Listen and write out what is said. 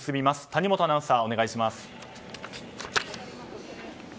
谷元アナウンサー、お願いします。